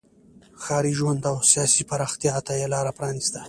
ښاري ژوند او سیاسي پراختیا ته یې لار پرانیسته.